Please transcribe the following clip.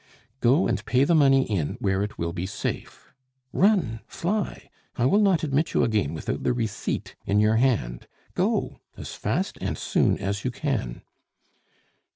"Go and pay the money in where it will be safe run, fly; I will not admit you again without the receipt in your hand. Go, as fast and soon as you can!"